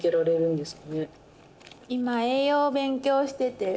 今栄養を勉強してて。